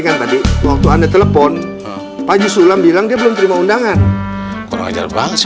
kan tadi waktu anda telepon pak yusuflam bilang dia belum terima undangan kurang ajar banget sih